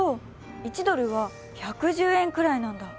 １ドルは１１０円くらいなんだ。